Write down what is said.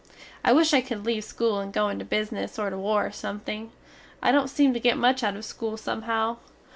I wish I cood leve school and go into bizness or to war or something. I dont seem to get much out of school somehow.